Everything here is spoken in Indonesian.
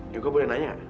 yoko boleh nanya